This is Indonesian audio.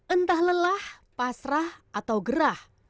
entah lelah pasrah atau gerah